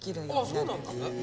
あそうなんですね。